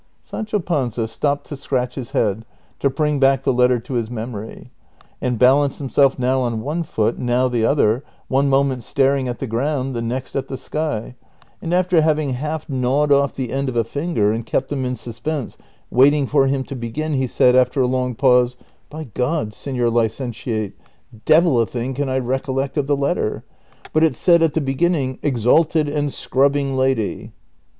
Sanclio Panza stopped to scratch his head to bring back the letter to his memory, and balanced himself now on one foot, now the other, one moment staring at the gronnd, the next at the sky, and after having half gnawed off tlie end of a finger and kept them in suspense waiting for him to begin, he said, after a long pause, " By God, senor licentiate, devil a thing can I recollect of the letter ; but it said at the beginning, ' Exalted and scrid)bing Lady.'